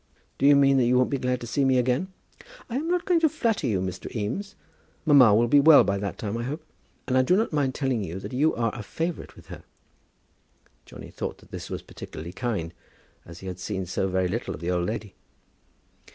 "Do you mean that you won't be glad to see me again?" "I am not going to flatter you, Mr. Eames. Mamma will be well by that time, I hope, and I do not mind telling you that you are a favourite with her." Johnny thought that this was particularly kind, as he had seen so very little of the old lady.